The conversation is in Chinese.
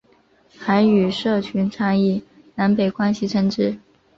韩语社群常以南北关系称之。